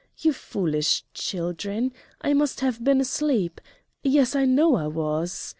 "You foolish Children! I must have been asleep yes, I know I was!"